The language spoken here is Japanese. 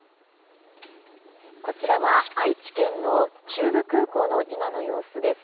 こちらは愛知県の中部空港の今の様子です。